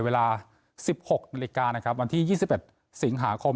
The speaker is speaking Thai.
เวลา๑๖นาฬิกานะครับวันที่๒๑สิงหาคม